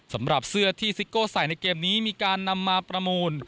สำหรับเสื้อที่ซิโก้ใส่ในเกมนี้มีการนำมาประมูล